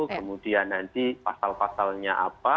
kemudian nanti pasal pasalnya apa